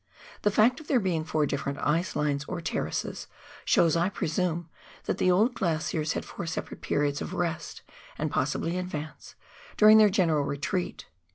The fact of there being four distinct "ice lines," or terraces, shows, I presume, that the old glaciers had four separate periods of rest, and possibly advance, during their general retreat.